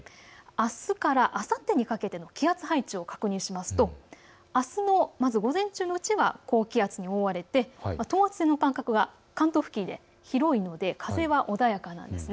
あすからあさってにかけての気圧配置を確認しますと、あすの午前中のうちは高気圧に覆われて等圧線の間隔が関東付近で広いので風は穏やかなんです。